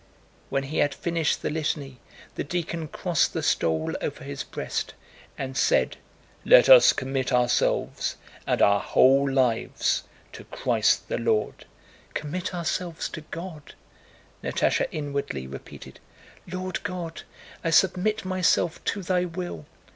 When he had finished the Litany the deacon crossed the stole over his breast and said, "Let us commit ourselves and our whole lives to Christ the Lord!" "Commit ourselves to God," Natásha inwardly repeated. "Lord God, I submit myself to Thy will!"